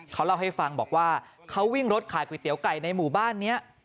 เขาเล่าให้ฟังบอกว่าเขาวิ่งรถขายก๋วยเตี๋ยวไก่ในหมู่บ้านนี้